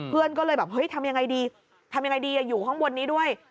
เพื่อนก็เลยแบบทำอย่างไรดีอยู่ข้างบนนี้ด้วย